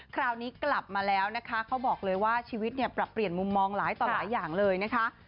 คราวนี้กลับมาแล้วนะคะเขาบอกเลยว่าชีวิตเนี่ยปรับเปลี่ยนมุมมองหลายต่อหลายอย่างเลยนะคะ